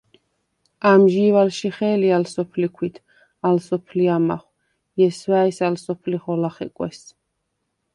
ამჟი̄ვ ალშიხე̄ლი ალ სოფლი ქვით, ალ სოფლი ამახვ, ჲესვა̄̈ჲს ალ სოფლი ხოლა ხეკვეს!